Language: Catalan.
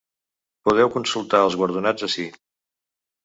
Podeu consultar els guardonats ací.